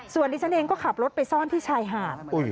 ส่วนดิฉันเองก็ขับรถไปซ่อนที่ชายหาด